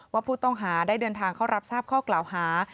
ว่าผู้ต้องหาได้เดินทางเข้ารับทราบข้อกล่าวหา